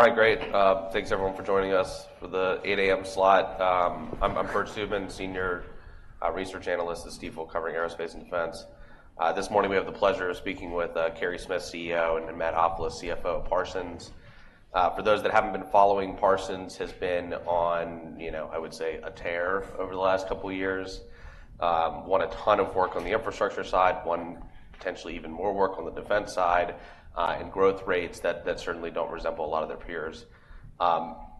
All right, great. Thanks everyone for joining us for the 8:00 A.M. slot. I'm Bert Subin, senior research analyst at Stifel, covering aerospace and defense. This morning, we have the pleasure of speaking with Carey Smith, CEO, and Matt Ofilos, CFO of Parsons. For those that haven't been following, Parsons has been on, you know, I would say, a tear over the last couple years. Won a ton of work on the infrastructure side, won potentially even more work on the defense side, and growth rates that certainly don't resemble a lot of their peers.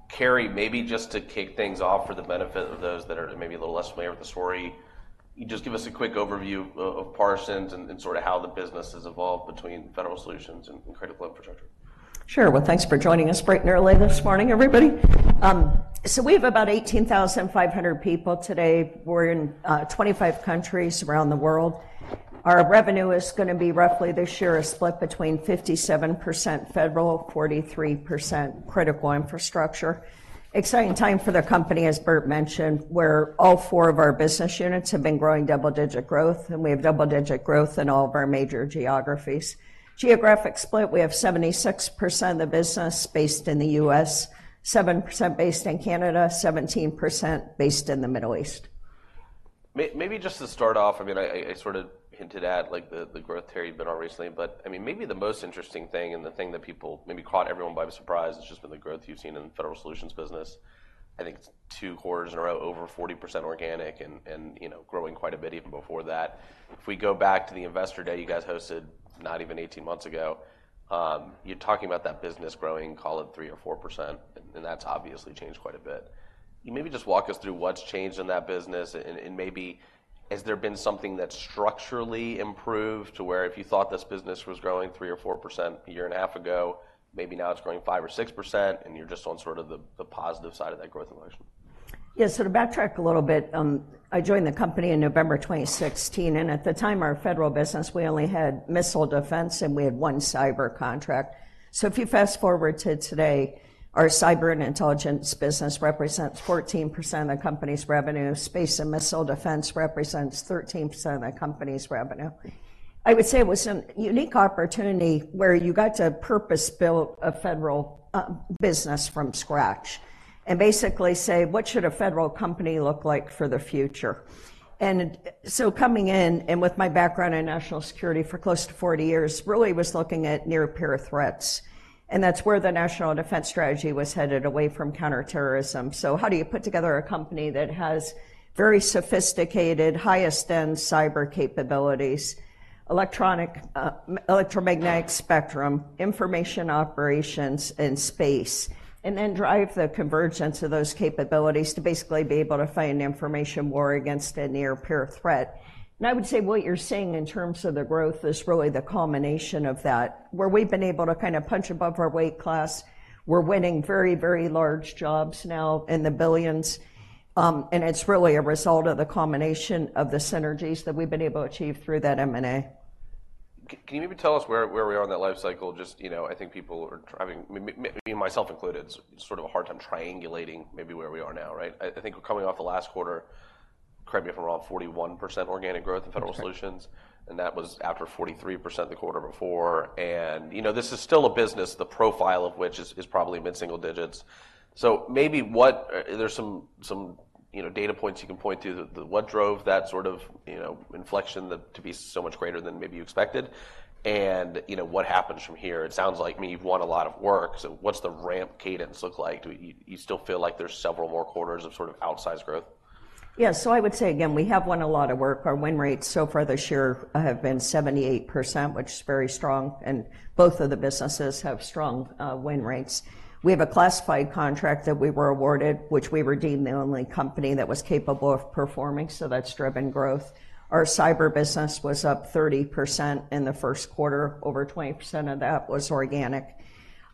Carey, maybe just to kick things off for the benefit of those that are maybe a little less familiar with the story, you just give us a quick overview of Parsons and sort of how the business has evolved between federal solutions and critical infrastructure. Sure. Well, thanks for joining us bright and early this morning, everybody. So we have about 18,500 people today. We're in, 25 countries around the world. Our revenue is gonna be roughly, this year, split between 57% federal, 43% critical infrastructure. Exciting time for the company, as Bert mentioned, where all four of our business units have been growing double-digit growth, and we have double-digit growth in all of our major geographies. Geographic split, we have 76% of the business based in the U.S., 7% based in Canada, 17% based in the Middle East. Maybe just to start off, I mean, I sort of hinted at, like, the growth, Carey, but recently—but, I mean, maybe the most interesting thing and the thing that people maybe caught everyone by surprise, it's just been the growth you've seen in the federal solutions business. I think it's two quarters in a row, over 40% organic and, you know, growing quite a bit even before that. If we go back to the Investor Day you guys hosted not even 18 months ago, you're talking about that business growing, call it 3% or 4%, and that's obviously changed quite a bit. Can you maybe just walk us through what's changed in that business, and maybe has there been something that structurally improved to where if you thought this business was growing 3% or 4% a year and a half ago, maybe now it's growing 5% or 6%, and you're just on sort of the positive side of that growth equation? Yeah. So to backtrack a little bit, I joined the company in November 2016, and at the time, our federal business, we only had missile defense, and we had one cyber contract. So if you fast-forward to today, our cyber and intelligence business represents 14% of the company's revenue. Space and missile defense represents 13% of the company's revenue. I would say it was a unique opportunity where you got to purpose-built a federal business from scratch and basically say, "What should a federal company look like for the future?" And so coming in, and with my background in national security for close to 40 years, really was looking at near-peer threats, and that's where the national defense strategy was headed, away from counterterrorism. So how do you put together a company that has very sophisticated, highest-end cyber capabilities, electronic, electromagnetic spectrum, information operations, and space, and then drive the convergence of those capabilities to basically be able to fight an information war against a near-peer threat? I would say what you're seeing in terms of the growth is really the culmination of that, where we've been able to kind of punch above our weight class. We're winning very, very large jobs now in the billions, and it's really a result of the combination of the synergies that we've been able to achieve through that M&A. Can you maybe tell us where we are in that life cycle? Just, you know, I think people are trying, me, myself included, sort of a hard time triangulating maybe where we are now, right? I think we're coming off the last quarter, correct me if I'm wrong, 41% organic growth in federal solutions and that was after 43% the quarter before. And, you know, this is still a business, the profile of which is, is probably mid-single digits. So maybe what—are there some, you know, data points you can point to, the, what drove that sort of, you know, inflection that to be so much greater than maybe you expected, and, you know, what happens from here? It sounds like maybe you've won a lot of work, so what's the ramp cadence look like? Do you, you still feel like there's several more quarters of sort of outsized growth? Yeah. So I would say, again, we have won a lot of work. Our win rates so far this year have been 78%, which is very strong, and both of the businesses have strong win rates. We have a classified contract that we were awarded, which we were deemed the only company that was capable of performing, so that's driven growth. Our cyber business was up 30% in the first quarter. Over 20% of that was organic.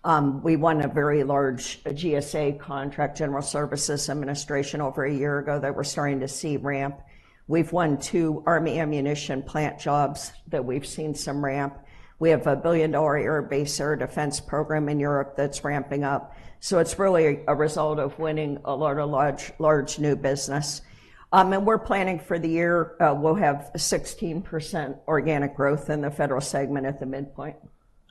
We won a very large GSA contract, General Services Administration, over a year ago that we're starting to see ramp. We've won two Army ammunition plant jobs that we've seen some ramp. We have a billion-dollar air base air defense program in Europe that's ramping up. So it's really a result of winning a lot of large, large new business. We're planning for the year, we'll have 16% organic growth in the federal segment at the midpoint.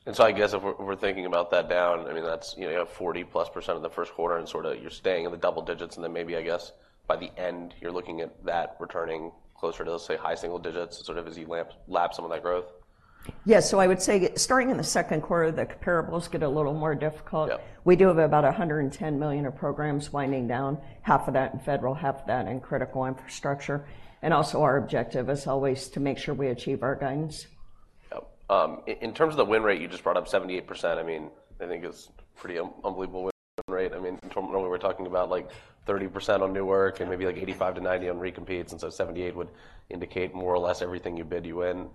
And so I guess if we're thinking about that down, I mean, that's, you know, you have 40+% in the first quarter and sort of you're staying in the double digits, and then maybe I guess by the end, you're looking at that returning closer to, let's say, high single digits, sort of as you lap some of that growth? Yeah, so I would say starting in the second quarter, the comparables get a little more difficult. We do have about $110 million of programs winding down, $55 million of that in federal, $55 million of that in critical infrastructure, and also, our objective is always to make sure we achieve our guidance. Yep. In terms of the win rate, you just brought up 78%. I mean, I think it's pretty unbelievable win rate. I mean, from what we were talking about, like 30% on new work and maybe like 85% to 90% on recompetes, and so 78% would indicate more or less everything you bid, you win.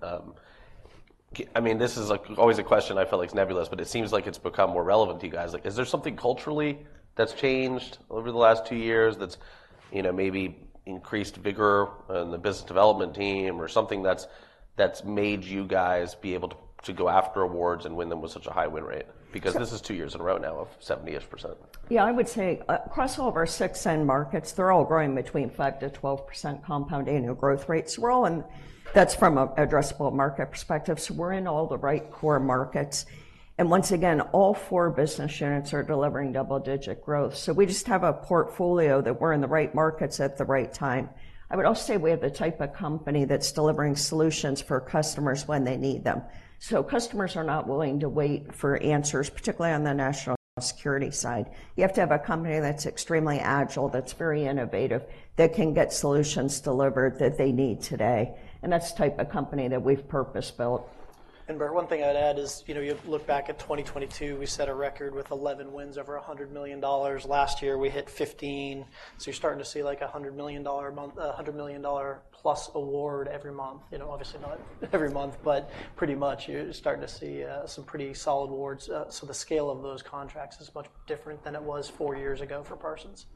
I mean, this is, like, always a question I feel like it's nebulous, but it seems like it's become more relevant to you guys. Like, is there something culturally that's changed over the last two years that's, you know, maybe increased vigor in the business development team or something that's made you guys be able to go after awards and win them with such a high win rate? So— Because this is two years in a row now of 70-ish%. Yeah, I would say across all of our six end markets, they're all growing between 5% to 12% compound annual growth rates. We're all in. That's from an addressable market perspective, so we're in all the right core markets, and once again, all four business units are delivering double-digit growth. So we just have a portfolio that we're in the right markets at the right time—I would also say we have the type of company that's delivering solutions for customers when they need them. So customers are not willing to wait for answers, particularly on the national security side. You have to have a company that's extremely agile, that's very innovative, that can get solutions delivered that they need today, and that's the type of company that we've purpose-built. And Bert, one thing I'd add is, you know, you look back at 2022, we set a record with 11 wins over $100 million. Last year, we hit 15. So you're starting to see, like, a $100 million a month, a $100 million plus award every month. You know, obviously not every month, but pretty much you're starting to see some pretty solid awards. So the scale of those contracts is much different than it was four years ago for Parsons.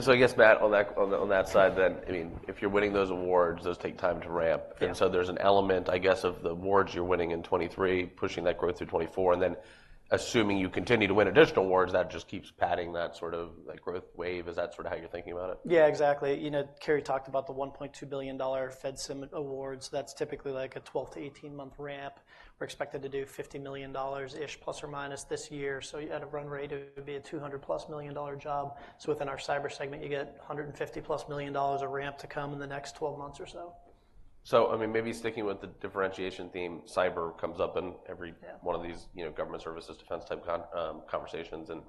So I guess, Matt, on that side, then, I mean, if you're winning those awards, those take time to ramp. Yeah. So there's an element, I guess, of the awards you're winning in 2023, pushing that growth through 2024, and then assuming you continue to win additional awards, that just keeps padding that sort of like growth wave. Is that sort of how you're thinking about it? Yeah, exactly. You know, Carey talked about the $1.2 billion FEDSIM awards. That's typically like a 12- to 18-month ramp. We're expected to do $50 million-ish ± this year, so you had a run rate, it would be a $200+ million dollar job. So within our cyber segment, you get a $150+ million dollars of ramp to come in the next 12 months or so. So, I mean, maybe sticking with the differentiation theme, cyber comes up in every— Yeah One of these, you know, government services, defense type conversations, and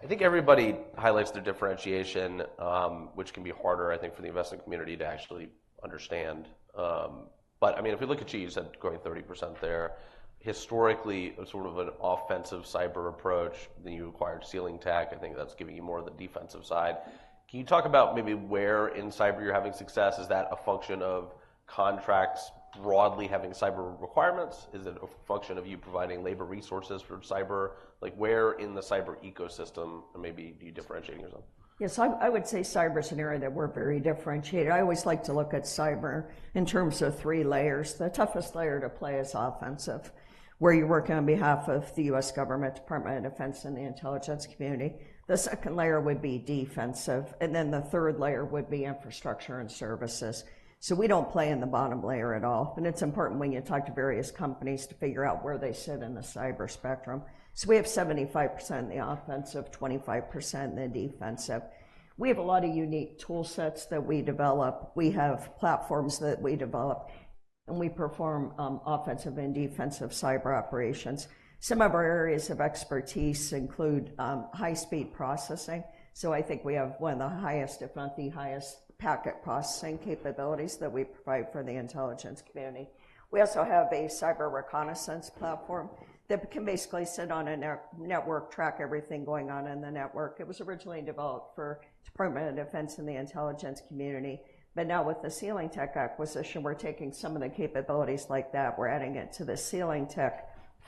I think everybody highlights the differentiation, which can be harder, I think, for the investing community to actually understand. But I mean, if you look at you, you said growing 30% there, historically, sort of an offensive cyber approach, then you acquired SealingTech. I think that's giving you more of the defensive side. Can you talk about maybe where in cyber you're having success? Is that a function of contracts broadly having cyber requirements? Is it a function of you providing labor resources for cyber? Like, where in the cyber ecosystem maybe you differentiate yourself? Yes, I, I would say cyber is an area that we're very differentiated. I always like to look at cyber in terms of three layers. The toughest layer to play is offensive, where you're working on behalf of the U.S. government, Department of Defense, and the intelligence community. The second layer would be defensive, and then the third layer would be infrastructure and services. So we don't play in the bottom layer at all, and it's important when you talk to various companies to figure out where they sit in the cyber spectrum. So we have 75% in the offensive, 25% in the defensive. We have a lot of unique tool sets that we develop. We have platforms that we develop, and we perform offensive and defensive cyber operations. Some of our areas of expertise include high-speed processing. So I think we have one of the highest, if not the highest, packet processing capabilities that we provide for the intelligence community. We also have a cyber reconnaissance platform that can basically sit on a network, track everything going on in the network. It was originally developed for Department of Defense and the intelligence community, but now with the SealingTech acquisition, we're taking some of the capabilities like that. We're adding it to the SealingTech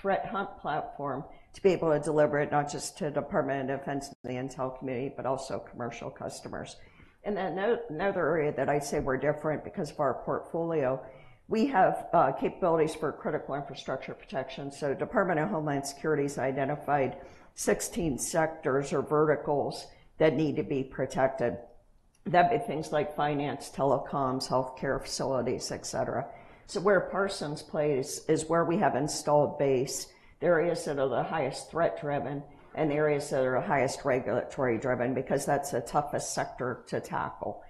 threat hunt platform to be able to deliver it not just to Department of Defense and the intel community, but also commercial customers. And then another area that I'd say we're different because of our portfolio, we have capabilities for critical infrastructure protection. So Department of Homeland Security's identified 16 sectors or verticals that need to be protected. That'd be things like finance, telecoms, healthcare facilities, etc. So where Parsons plays is where we have installed base, the areas that are the highest threat-driven and areas that are highest regulatory-driven, because that's the toughest sector to tackle.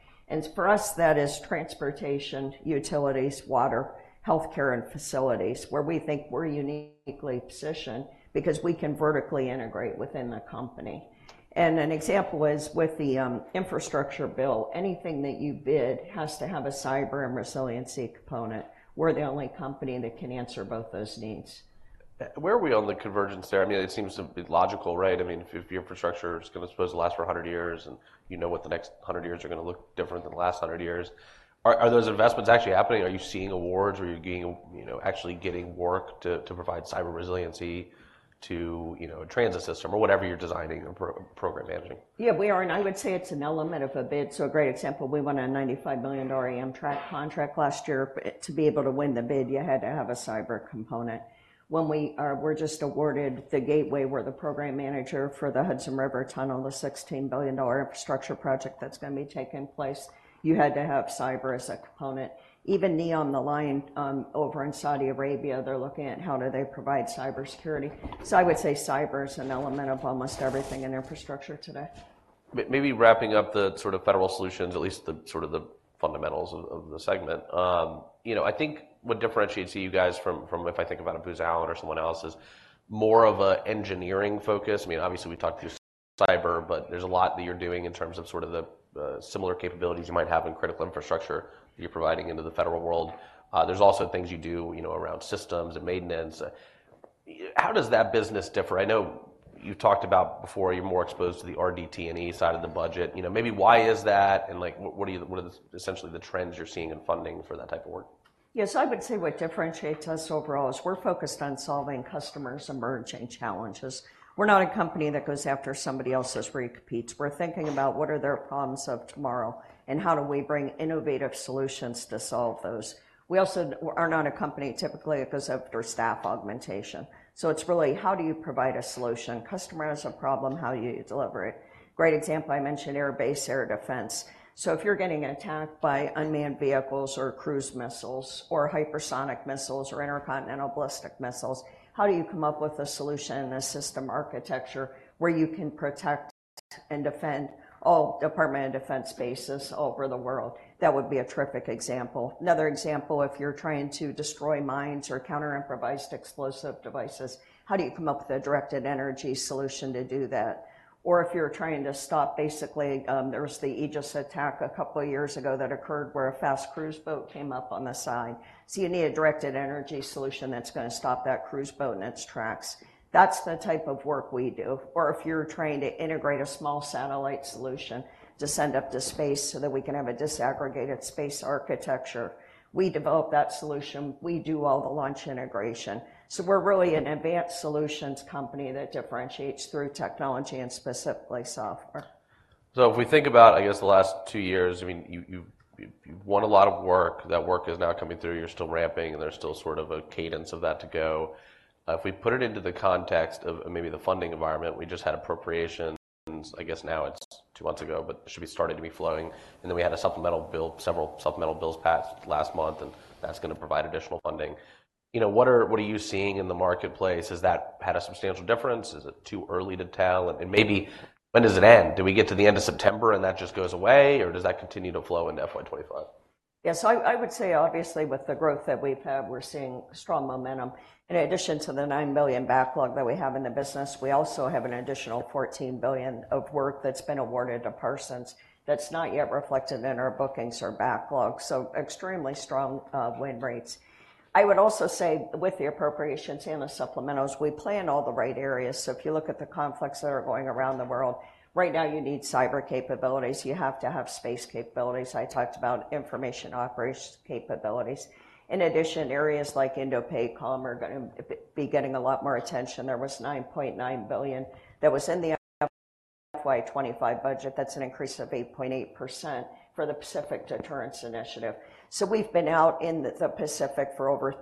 For us, that is transportation, utilities, water, healthcare, and facilities, where we think we're uniquely positioned because we can vertically integrate within the company. An example is with the infrastructure bill, anything that you bid has to have a cyber and resiliency component. We're the only company that can answer both those needs. Where are we on the convergence there? I mean, it seems to be logical, right? I mean, if your infrastructure is gonna supposed to last for 100 years, and you know what, the next 100 years are gonna look different than the last 100 years. Are those investments actually happening? Are you seeing awards, or are you getting, you know, actually getting work to provide cyber resiliency to, you know, a transit system or whatever you're designing or program managing? Yeah, we are, and I would say it's an element of a bid. So a great example, we won a $95 million Amtrak contract last year. But to be able to win the bid, you had to have a cyber component. We're just awarded the Gateway, we're the program manager for the Hudson River Tunnel, the $16 billion infrastructure project that's gonna be taking place. You had to have cyber as a component. Even NEOM, The Line, over in Saudi Arabia, they're looking at how do they provide cybersecurity. So I would say cyber is an element of almost everything in infrastructure today. Maybe wrapping up the sort of federal solutions, at least the sort of the fundamentals of the segment. You know, I think what differentiates you guys from, from, if I think about a Booz Allen or someone else, is more of a engineering focus. I mean, obviously, we talked through cyber, but there's a lot that you're doing in terms of sort of the, similar capabilities you might have in critical infrastructure that you're providing into the federal world. There's also things you do, you know, around systems and maintenance. How does that business differ? I know you talked about before, you're more exposed to the RDT&E side of the budget. You know, maybe why is that, and, like, what are the, essentially the trends you're seeing in funding for that type of work? Yes, I would say what differentiates us overall is we're focused on solving customers' emerging challenges. We're not a company that goes after somebody else's repeats. We're thinking about what are their problems of tomorrow, and how do we bring innovative solutions to solve those? We also are not a company typically that goes after staff augmentation. So it's really, how do you provide a solution? Customer has a problem, how you deliver it. Great example, I mentioned air base, air defense. So if you're getting attacked by unmanned vehicles or cruise missiles or hypersonic missiles or intercontinental ballistic missiles, how do you come up with a solution and a system architecture where you can protect and defend all Department of Defense bases all over the world. That would be a terrific example. Another example, if you're trying to destroy mines or counter improvised explosive devices, how do you come up with a directed energy solution to do that? Or if you're trying to stop, basically, there was the Aegis attack a couple of years ago that occurred, where a fast cruise boat came up on the side. So you need a directed energy solution that's gonna stop that cruise boat in its tracks. That's the type of work we do, or if you're trying to integrate a small satellite solution to send up to space so that we can have a disaggregated space architecture, we develop that solution. We do all the launch integration. So we're really an advanced solutions company that differentiates through technology and specifically software. So if we think about, I guess, the last two years, I mean, you've won a lot of work. That work is now coming through. You're still ramping, and there's still sort of a cadence of that to go. If we put it into the context of maybe the funding environment, we just had appropriations. I guess now it's two months ago, but it should be starting to be flowing, and then we had a supplemental bill, several supplemental bills passed last month, and that's gonna provide additional funding. You know, what are you seeing in the marketplace? Has that had a substantial difference? Is it too early to tell? And maybe when does it end? Do we get to the end of September, and that just goes away, or does that continue to flow into FY 25? Yes. I would say, obviously, with the growth that we've had, we're seeing strong momentum. In addition to the $9 billion backlog that we have in the business, we also have an additional $14 billion of work that's been awarded to Parsons that's not yet reflected in our bookings or backlog, so extremely strong win rates. I would also say with the appropriations and the supplementals, we play in all the right areas. So if you look at the conflicts that are going around the world right now, you need cyber capabilities. You have to have space capabilities. I talked about information operations capabilities. In addition, areas like INDOPACOM are gonna be getting a lot more attention. There was $9.9 billion that was in the FY 2025 budget. That's an increase of 8.8% for the Pacific Deterrence Initiative. So we've been out in the Pacific for over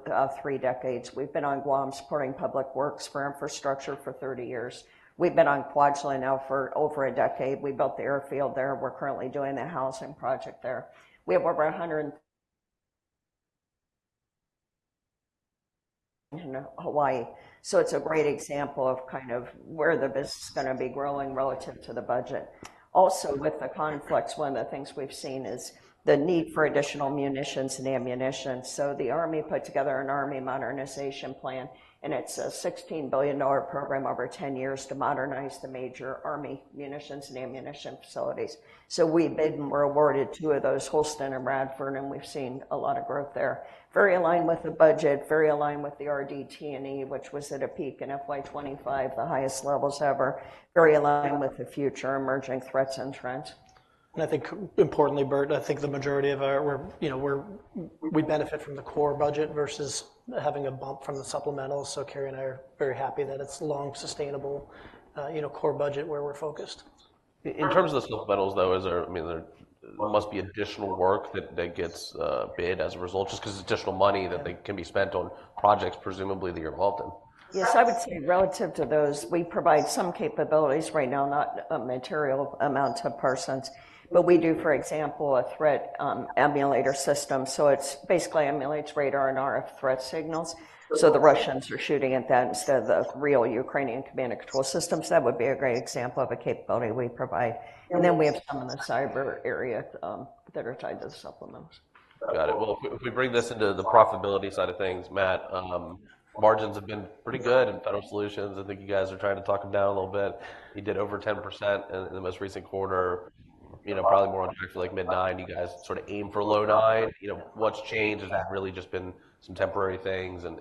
three decades. We've been on Guam, supporting public works for infrastructure for 30 years. We've been on Kwajalein now for over a decade. We built the airfield there. We're currently doing the housing project there. We have over 100 in Hawaii. So it's a great example of kind of where the business is gonna be growing relative to the budget. Also, with the conflicts, one of the things we've seen is the need for additional munitions and ammunition. So the Army put together an army modernization plan, and it's a $16 billion program over 10 years to modernize the major army munitions and ammunition facilities. So we bid and were awarded two of those, Holston and Radford, and we've seen a lot of growth there. Very aligned with the budget, very aligned with the RDT&E, which was at a peak in FY 25, the highest levels ever. Very aligned with the future emerging threats and trends. I think importantly, Bert, I think the majority of our—we're, you know, we benefit from the core budget versus having a bump from the supplementals. So Carey and I are very happy that it's long, sustainable, you know, core budget where we're focused. In terms of the supplementals, though, is there, I mean, there must be additional work that gets bid as a result, just 'cause it's additional money that they can be spent on projects, presumably, that you're involved in. Yes, I would say relative to those, we provide some capabilities right now, not a material amount to Parsons. But we do, for example, a threat emulator system, so it's basically emulates radar and RF threat signals. So the Russians are shooting at that instead of the real Ukrainian command and control systems. That would be a great example of a capability we provide. And then we have some in the cyber area, that are tied to the supplements. Got it. Well, if we bring this into the profitability side of things, Matt, margins have been pretty good in federal solutions. I think you guys are trying to talk them down a little bit. You did over 10% in the most recent quarter, you know, probably more on track for, like, mid-9%. You guys sorta aim for low 9%. You know, what's changed? Has that really just been some temporary things, and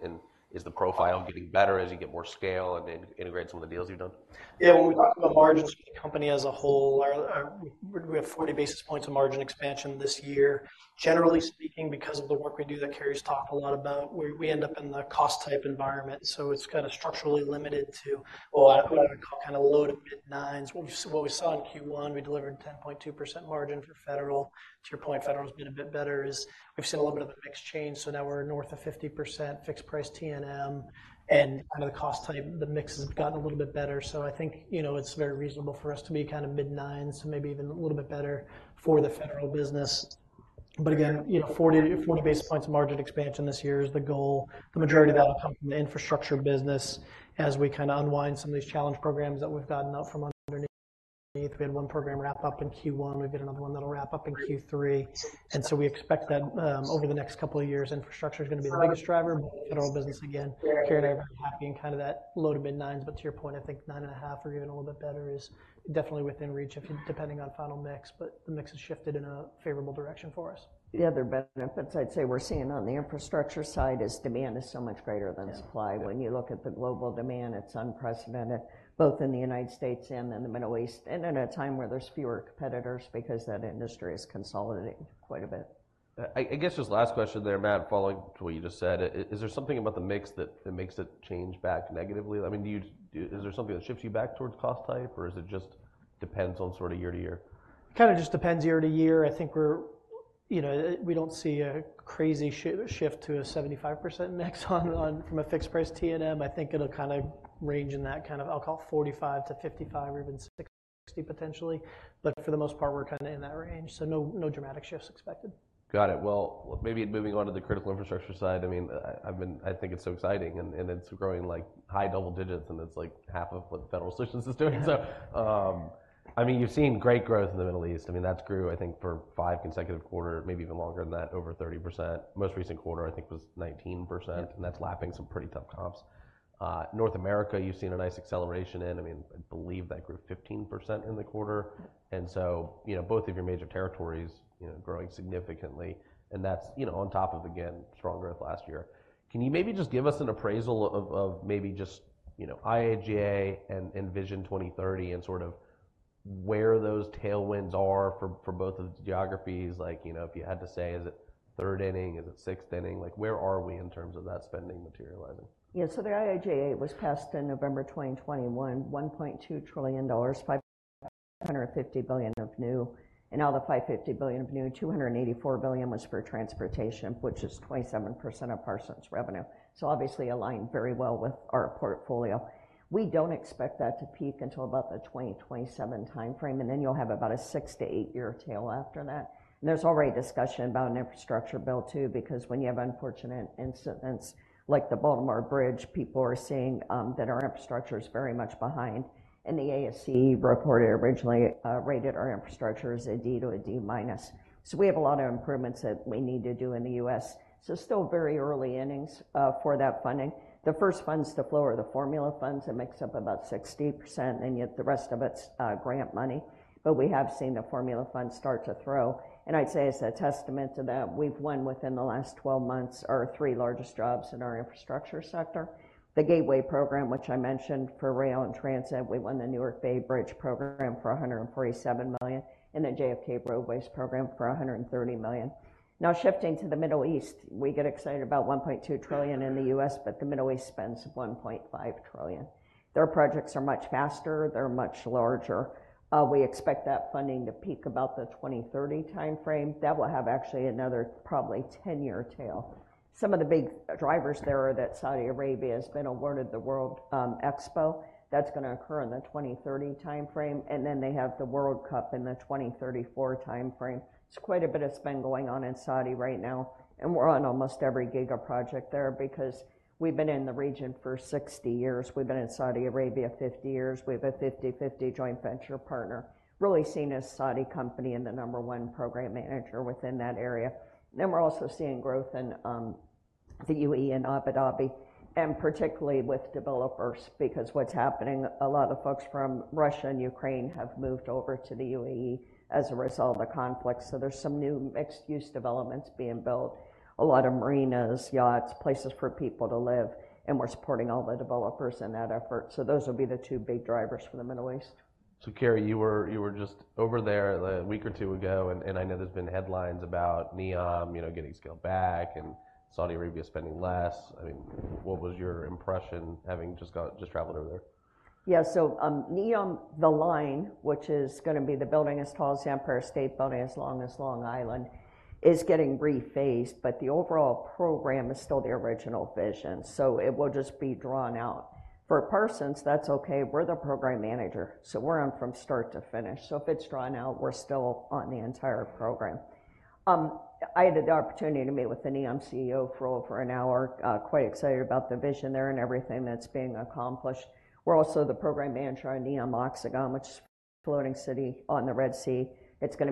is the profile getting better as you get more scale and integrate some of the deals you've done? Yeah, when we talk about margins for the company as a whole, our—we have 40 basis points of margin expansion this year. Generally speaking, because of the work we do that Carey’s talked a lot about, we end up in the cost-type environment, so it's kinda structurally limited to what I call kinda low to mid-nines. What we saw in Q1, we delivered 10.2% margin for federal. To your point, federal has been a bit better, as we've seen a little bit of the mix change, so now we're north of 50% fixed price T&M and kind of the cost type. The mix has gotten a little bit better, so I think, you know, it's very reasonable for us to be kind of mid-nines and maybe even a little bit better for the federal business. But again, you know, 40, 40 basis points of margin expansion this year is the goal. The majority of that will come from the infrastructure business as we kinda unwind some of these challenge programs that we've gotten out from underneath. We had one program wrap up in Q1. We've got another one that'll wrap up in Q3, and so we expect that, over the next couple of years, infrastructure is gonna be the biggest driver. Federal business, again, Carey and I are happy in kind of that low to mid-nines, but to your point, I think 9.5 or even a little bit better is definitely within reach, depending on final mix, but the mix has shifted in a favorable direction for us. The other benefits I'd say we're seeing on the infrastructure side is demand is so much greater than supply. Yeah. When you look at the global demand, it's unprecedented, both in the United States and in the Middle East, and at a time where there's fewer competitors because that industry is consolidating quite a bit. I guess just last question there, Matt, following what you just said, is there something about the mix that makes it change back negatively? I mean, do you—is there something that shifts you back towards cost type, or is it just depends on sort of year to year? Kinda just depends year to year. I think we're— You know, we don't see a crazy shift to a 75% next on—on from a fixed price T&M. I think it'll kind of range in that kind of, I'll call it 45%-55%, or even 60% potentially. But for the most part, we're kind of in that range, so no, no dramatic shifts expected. Got it. Well, maybe moving on to the critical infrastructure side, I mean, I've been—I think it's so exciting, and, and it's growing like high double digits, and it's like half of what the federal solutions is doing. So, I mean, you've seen great growth in the Middle East. I mean, that's grew, I think, for five consecutive quarter, maybe even longer than that, over 30%. Most recent quarter, I think, was 19%— Yep. And that's lapping some pretty tough comps. North America, you've seen a nice acceleration in. I mean, I believe that grew 15% in the quarter. Yep. And so, you know, both of your major territories, you know, growing significantly, and that's, you know, on top of, again, strong growth last year. Can you maybe just give us an appraisal of, of maybe just, you know, IIJA and Vision 2030 and sort of where those tailwinds are for, for both of the geographies? Like, you know, if you had to say, is it third inning, is it sixth inning? Like, where are we in terms of that spending materializing? Yeah, so the IIJA was passed in November 2021, $1.2 trillion, $550 billion of new. And out of the $550 billion of new, $284 billion was for transportation, which is 27% of Parsons' revenue, so obviously aligned very well with our portfolio. We don't expect that to peak until about the 2027 timeframe, and then you'll have about a six- to eight-year tail after that. And there's already discussion about an infrastructure bill, too, because when you have unfortunate incidents like the Baltimore Bridge, people are seeing that our infrastructure is very much behind. And the ASCE report originally rated our infrastructure as a D to a D minus. So we have a lot of improvements that we need to do in the U.S. So still very early innings for that funding. The first funds to flow are the formula funds. It makes up about 60%, and yet the rest of it's grant money. But we have seen the formula funds start to flow, and I'd say as a testament to that, we've won within the last 12 months our three largest jobs in our infrastructure sector. The Gateway Program, which I mentioned for rail and transit, we won the Newark Bay Bridge program for $147 million and the JFK Roadways program for $130 million. Now shifting to the Middle East, we get excited about $1.2 trillion in the U.S., but the Middle East spends $1.5 trillion. Their projects are much faster; they're much larger. We expect that funding to peak about the 2030 timeframe. That will have actually another probably 10-year tail. Some of the big drivers there are that Saudi Arabia has been awarded the World Expo. That's gonna occur in the 2030 timeframe, and then they have the World Cup in the 2034 timeframe. It's quite a bit of spend going on in Saudi right now, and we're on almost every giga project there because we've been in the region for 60 years. We've been in Saudi Arabia 50 years. We have a 50/50 joint venture partner, really seen as a Saudi company and the number one program manager within that area. Then we're also seeing growth in the UAE and Abu Dhabi, and particularly with developers, because what's happening, a lot of folks from Russia and Ukraine have moved over to the UAE as a result of the conflict. There's some new mixed-use developments being built, a lot of marinas, yachts, places for people to live, and we're supporting all the developers in that effort. Those will be the two big drivers for the Middle East. So, Carey, you were just over there a week or two ago, and I know there's been headlines about NEOM, you know, getting scaled back and Saudi Arabia spending less. I mean, what was your impression, having just traveled over there? Yeah, so, NEOM, The Line, which is gonna be the building as tall as the Empire State Building, as long as Long Island, is getting rephased, but the overall program is still the original vision, so it will just be drawn out. For Parsons, that's okay. We're the program manager, so we're on from start to finish. So if it's drawn out, we're still on the entire program. I had the opportunity to meet with the NEOM CEO for over an hour, quite excited about the vision there and everything that's being accomplished. We're also the program manager on NEOM Oxagon, which is a floating city on the Red Sea. It's gonna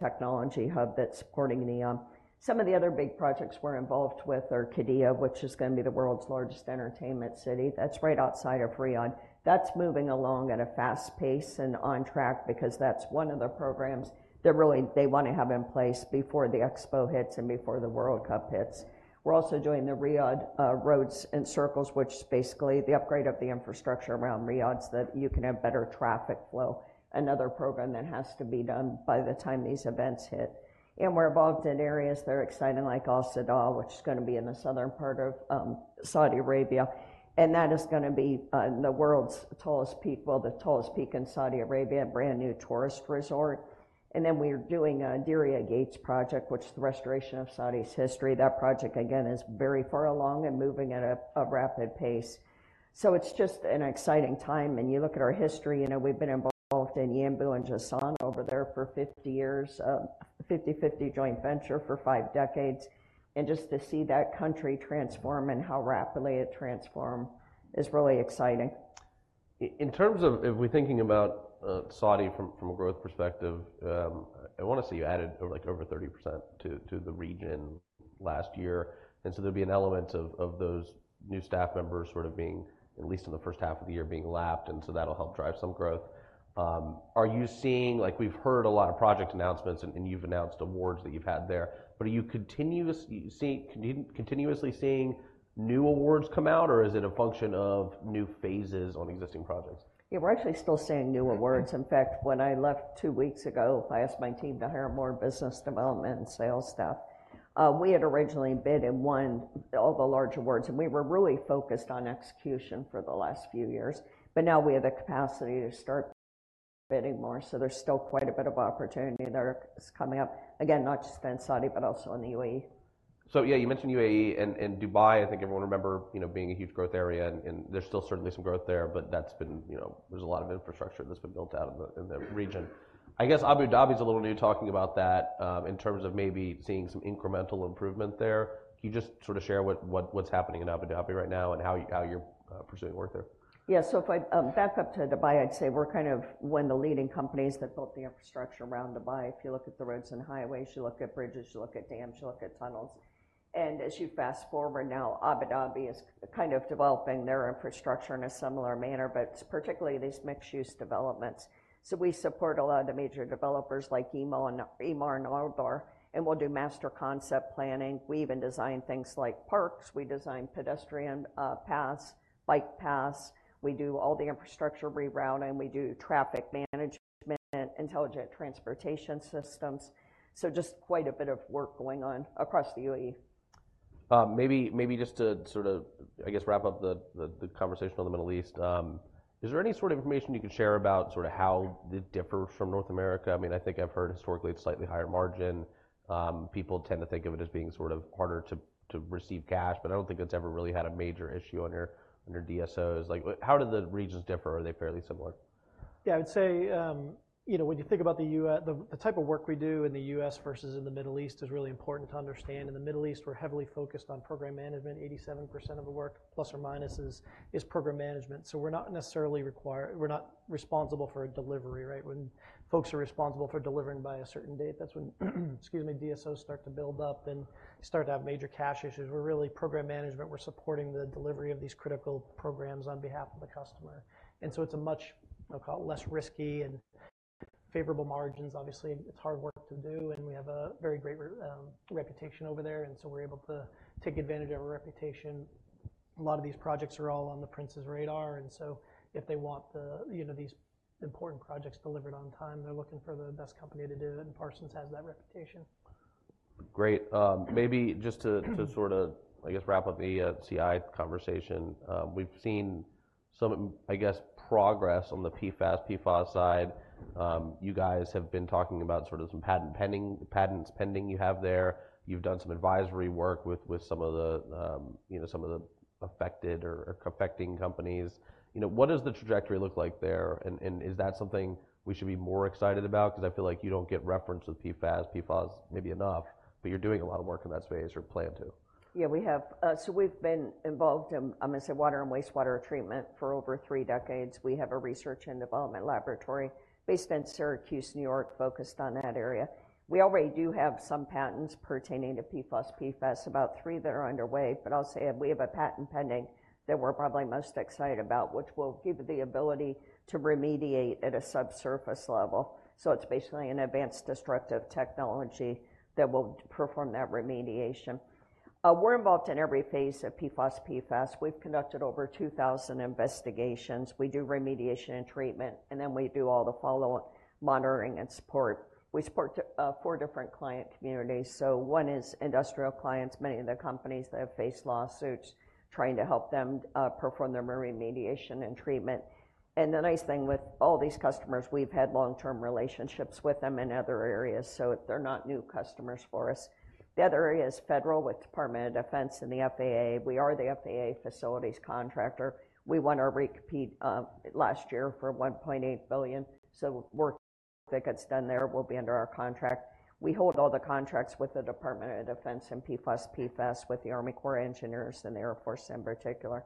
be the technology hub that's supporting NEOM. Some of the other big projects we're involved with are Qiddiya, which is gonna be the world's largest entertainment city. That's right outside of Riyadh. That's moving along at a fast pace and on track because that's one of the programs that really they want to have in place before the Expo hits and before the World Cup hits. We're also doing the Riyadh Roads and Circles, which is basically the upgrade of the infrastructure around Riyadh, so that you can have better traffic flow, another program that has to be done by the time these events hit. We're involved in areas that are exciting, like Aseer, which is gonna be in the southern part of Saudi Arabia, and that is gonna be the world's tallest peak, well, the tallest peak in Saudi Arabia, a brand-new tourist resort. Then we're doing a Diriyah Gate project, which is the restoration of Saudi's history. That project, again, is very far along and moving at a rapid pace. So it's just an exciting time, and you look at our history, you know, we've been involved in Yanbu and Jazan over there for 50 years, 50/50 joint venture for five decades. And just to see that country transform and how rapidly it transformed is really exciting. In terms of if we're thinking about Saudi from a growth perspective, I want to say you added, like, over 30% to the region last year, and so there'll be an element of those new staff members sort of being, at least in the first half of the year, being lapped, and so that'll help drive some growth. Are you seeing, like, we've heard a lot of project announcements, and you've announced awards that you've had there, but are you continuously seeing new awards come out, or is it a function of new phases on existing projects? Yeah, we're actually still seeing new awards. In fact, when I left two weeks ago, I asked my team to hire more business development and sales staff. We had originally bid and won all the large awards, and we were really focused on execution for the last few years. But now we have the capacity to start bidding more, so there's still quite a bit of opportunity there that's coming up. Again, not just in Saudi, but also in the UAE. So yeah, you mentioned UAE. And, and Dubai, I think everyone remember, you know, being a huge growth area, and, and there's still certainly some growth there, but that's been, you know, there's a lot of infrastructure that's been built out in the, in the region. I guess Abu Dhabi's a little new, talking about that, in terms of maybe seeing some incremental improvement there. Can you just sort of share what, what, what's happening in Abu Dhabi right now and how, how you're pursuing work there? Yeah. So if I back up to Dubai, I'd say we're kind of one of the leading companies that built the infrastructure around Dubai. If you look at the roads and highways, you look at bridges, you look at dams, you look at tunnels, and as you fast forward, now Abu Dhabi is kind of developing their infrastructure in a similar manner, but particularly these mixed-use developments. So we support a lot of the major developers, like Emaar and Aldar, and we'll do master concept planning. We even design things like parks. We design pedestrian paths, bike paths. We do all the infrastructure rerouting, and we do traffic management, intelligent transportation systems. So just quite a bit of work going on across the UAE. Maybe just to sort of, I guess, wrap up the conversation on the Middle East, is there any sort of information you can share about sort of how it differs from North America? I mean, I think I've heard historically it's slightly higher margin. People tend to think of it as being sort of harder to receive cash, but I don't think that's ever really had a major issue on your DSOs. Like, how do the regions differ, or are they fairly similar? Yeah, I'd say, you know, when you think about the U.S., the type of work we do in the U.S. versus in the Middle East is really important to understand. In the Middle East, we're heavily focused on program management. 87% of the work, ±, is program management, so we're not necessarily required. We're not responsible for delivery, right? When folks are responsible for delivering by a certain date, that's when, excuse me, DSOs start to build up and start to have major cash issues. We're really program management. We're supporting the delivery of these critical programs on behalf of the customer, and so it's a much, I'll call it, less risky and favorable margins. Obviously, it's hard work to do, and we have a very great reputation over there, and so we're able to take advantage of our reputation. A lot of these projects are all on the prince's radar, and so if they want, you know, these important projects delivered on time, they're looking for the best company to do it, and Parsons has that reputation. Great. Maybe just to sort of, I guess, wrap up the CI conversation, we've seen some, I guess, progress on the PFAS, PFOS side. You guys have been talking about sort of some patent pending, patents pending you have there. You've done some advisory work with some of the, you know, some of the affected or affecting companies. You know, what does the trajectory look like there, and is that something we should be more excited about? 'Cause I feel like you don't get reference with PFAS, PFOS maybe enough, but you're doing a lot of work in that space or plan to. Yeah, we have. So we've been involved in, I'm gonna say, water and wastewater treatment for over three decades. We have a research and development laboratory based in Syracuse, New York, focused on that area. We already do have some patents pertaining to PFOS, PFAS, about 3 that are underway. But I'll say we have a patent pending that we're probably most excited about, which will give the ability to remediate at a subsurface level. So it's basically an advanced destructive technology that will perform that remediation. We're involved in every phase of PFOS, PFAS. We've conducted over 2,000 investigations. We do remediation and treatment, and then we do all the follow-up monitoring and support. We support 4 different client communities, so one is industrial clients, many of the companies that have faced lawsuits, trying to help them perform their remediation and treatment. The nice thing with all these customers, we've had long-term relationships with them in other areas, so they're not new customers for us. The other area is federal, with Department of Defense and the FAA. We are the FAA facilities contractor. We won a re-compete last year for $1.8 billion, so work that gets done there will be under our contract. We hold all the contracts with the Department of Defense in PFOS, PFAS, with the Army Corps of Engineers and the Air Force in particular.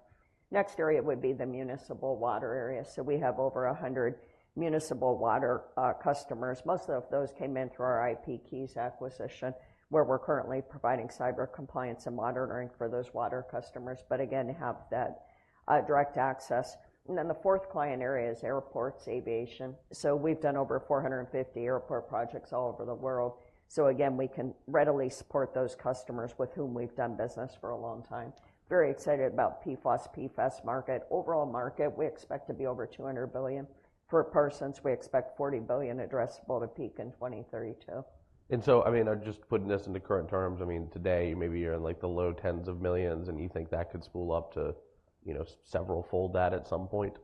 Next area would be the municipal water area, so we have over 100 municipal water customers. Most of those came in through our IPKeys acquisition, where we're currently providing cyber compliance and monitoring for those water customers, but again, have that direct access. And then the fourth client area is airports, aviation. We've done over 450 airport projects all over the world. Again, we can readily support those customers with whom we've done business for a long time. Very excited about PFOS, PFAS market. Overall market, we expect to be over $200 billion. For Parsons, we expect $40 billion addressable to peak in 2032. I mean, just putting this into current terms, I mean, today, maybe you're in like the low $10s of millions, and you think that could spool up to, you know, severalfold that at some point?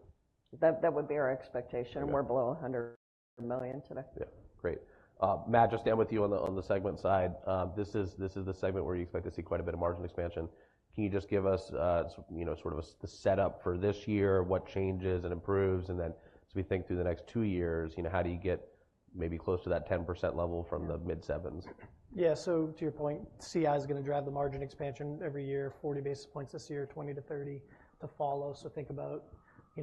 That would be our expectation. Okay. We're below $100 million today. Yeah, great. Matt, just stay with you on the segment side. This is the segment where you expect to see quite a bit of margin expansion. Can you just give us, you know, sort of the setup for this year, what changes and improves? And then as we think through the next two years, you know, how do you get maybe closer to that 10% level from the mid-sevens? Yeah. So to your point, CI is gonna drive the margin expansion every year, 40 basis points this year, 20 to 30 to follow. So think about,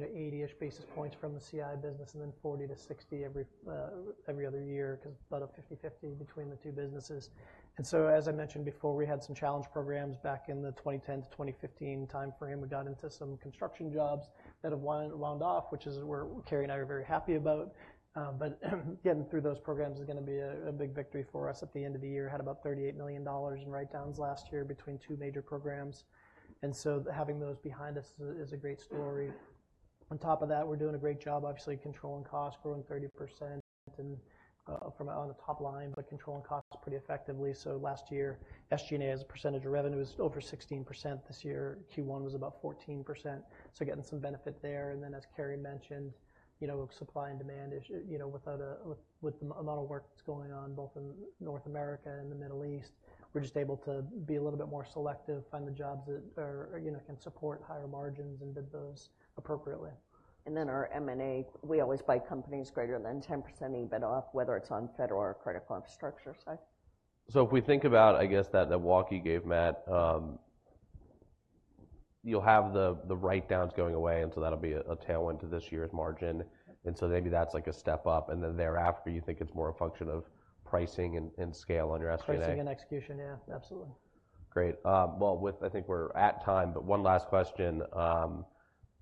you know, 80-ish basis points from the CI business and then 40 to 60 every other year, 'cause about a 50/50 between the two businesses. And so, as I mentioned before, we had some challenge programs back in the 2010 to 2015 timeframe. We got into some construction jobs that have wound off, which is where Carey and I are very happy about. But getting through those programs is gonna be a big victory for us at the end of the year. Had about $38 million in write-downs last year between two major programs, and so having those behind us is a great story. On top of that, we're doing a great job, obviously, controlling costs, growing 30% and from on the top line, but controlling costs pretty effectively. So last year, SG&A, as a percentage of revenue, is over 16%. This year, Q1 was about 14%, so getting some benefit there. And then, as Carey mentioned, you know, supply and demand is, you know, without a—with, with the amount of work that's going on, both in North America and the Middle East, we're just able to be a little bit more selective, find the jobs that are, you know, can support higher margins and bid those appropriately. And then our M&A, we always buy companies greater than 10% EBITDA, whether it's on federal or critical infrastructure side. So if we think about, I guess, that, the walk you gave, Matt, you'll have the write-downs going away, and so that'll be a tailwind to this year's margin. And so maybe that's like a step up, and then thereafter, you think it's more a function of pricing and scale on your SG&A? Pricing and execution, yeah, absolutely. Great. Well, I think we're at time, but one last question.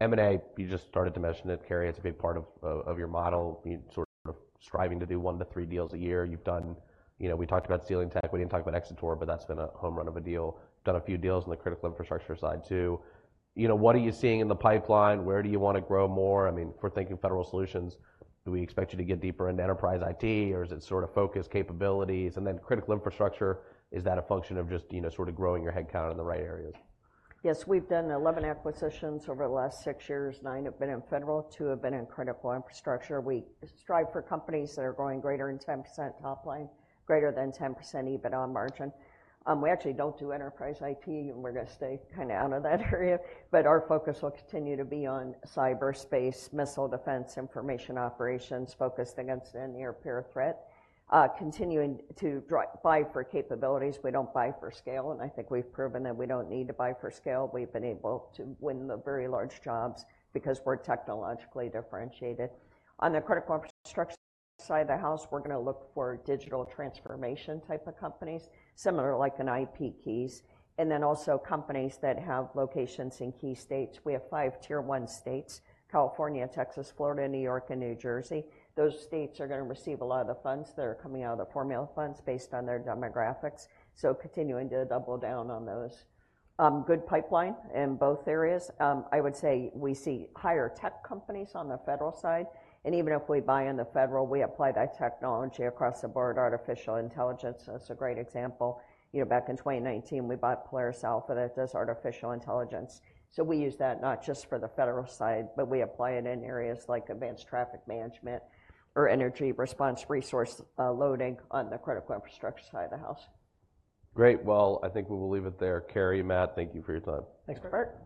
M&A, you just started to mention it, Carey. It's a big part of your model. You're sort of striving to do one to three deals a year. You've done, you know, we talked about SealingTech. We didn't talk about Xator, but that's been a home run of a deal. Done a few deals on the critical infrastructure side, too. You know, what are you seeing in the pipeline? Where do you want to grow more? I mean, if we're thinking federal solutions, do we expect you to get deeper into enterprise IT, or is it sort of focus capabilities? And then critical infrastructure, is that a function of just, you know, sort of growing your headcount in the right areas? Yes, we've done 11 acquisitions over the last 6 years. 9 have been in federal, 2 have been in critical infrastructure. We strive for companies that are growing greater than 10% top line, greater than 10% EBITDA margin. We actually don't do enterprise IT, and we're gonna stay kinda out of that area, but our focus will continue to be on cyberspace, missile defense, information operations focused against any near-peer threat. Continuing to buy for capabilities. We don't buy for scale, and I think we've proven that we don't need to buy for scale. We've been able to win the very large jobs because we're technologically differentiated. On the critical infrastructure side of the house, we're gonna look for digital transformation type of companies, similar like an IPKeys, and then also companies that have locations in key states. We have five Tier One states: California, Texas, Florida, New York, and New Jersey. Those states are gonna receive a lot of the funds that are coming out of the formula funds based on their demographics, so continuing to double down on those. Good pipeline in both areas. I would say we see higher tech companies on the federal side, and even if we buy into federal, we apply that technology across the board. Artificial intelligence is a great example. You know, back in 2019, we bought Polaris Alpha that does artificial intelligence. So we use that not just for the federal side, but we apply it in areas like advanced traffic management or energy response resource loading on the critical infrastructure side of the house. Great! Well, I think we will leave it there. Carey, Matt, thank you for your time. Thanks, Bert.